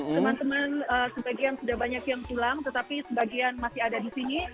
teman teman sebagian sudah banyak yang pulang tetapi sebagian masih ada di sini